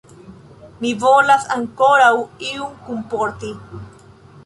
Mi volas ankoraŭ ion kunporti.